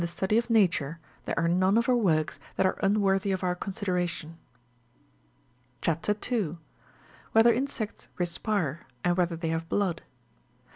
3 study of Nature, there are none of her works that are unworthy of our consideration. CHAP. 2. (3.) WHETHER INSECTS RESPIRE, AND WHETHER THEY HAVE BLOOD.